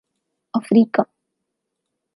افریقہ